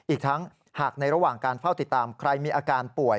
อีกทั้งหากในระหว่างการเฝ้าติดตามใครมีอาการป่วย